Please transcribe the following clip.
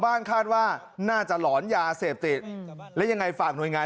คาดว่าน่าจะหลอนยาเสพติดและยังไงฝากหน่วยงาน